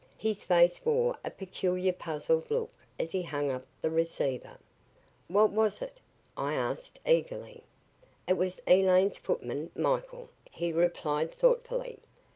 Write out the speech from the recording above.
His face wore a peculiar puzzled look as he hung up the receiver. "What was it?" I asked eagerly. "It was Elaine's footman, Michael," he replied thoughtfully.